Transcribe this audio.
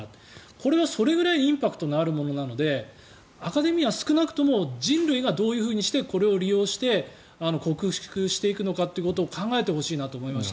これがそれくらいインパクトのあるものでアカデミアは少なくとも人類がどういうふうにしてこれを利用して克服していくのかを考えてほしいと思います。